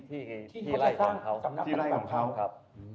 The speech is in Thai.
ที่ไล่ของเขา